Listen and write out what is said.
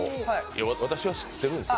私は知ってるんですよ。